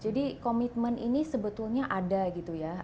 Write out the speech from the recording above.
jadi komitmen ini sebetulnya ada gitu ya